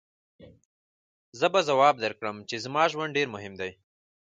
زه به ځواب درکړم چې زما ژوند ډېر مهم دی.